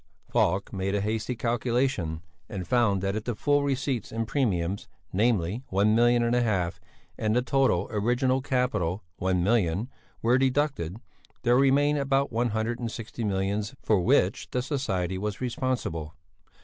Falk made a hasty calculation and found that if the full receipts in premiums, namely, one million and a half, and the total original capital, one million, were deducted, there remained about one hundred and sixty six millions for which the society was responsible.